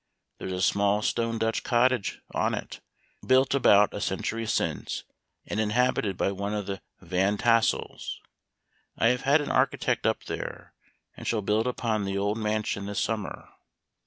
There is a small stone Dutch cottage on it, built about a century since, and inhabited by one of the Van Tassels. I have had an architect up there, and shall build upon the old mansion this summer.